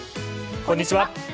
こんにちは。